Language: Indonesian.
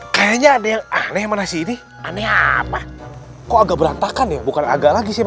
kayaknya ada yang aneh mana sih ini aneh apa kok agak berantakan ya bukan agak lagi sih